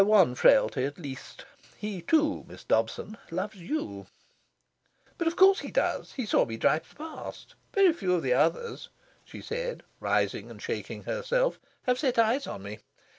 "One frailty, at least: he, too, Miss Dobson, loves you." "But of course he does. He saw me drive past. Very few of the others," she said, rising and shaking herself, "have set eyes on me.